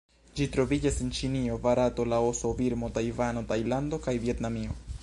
Ĝi troviĝas en Ĉinio, Barato, Laoso, Birmo, Tajvano, Tajlando kaj Vjetnamio.